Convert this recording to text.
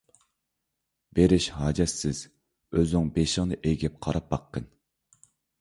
بېرىش ھاجەتسىز، ئۆزۈڭ بېشىڭنى ئېگىپ قاراپ باققىن!